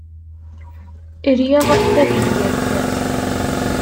Riɣ tabyirt.